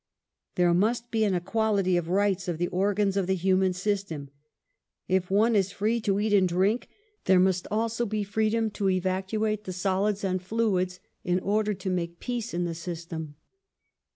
There must be an equality of rights of the organs of the human system. If one is free to eat and drink, there must also be freedom to evacuate the solids and fluids in order to have peace in the system.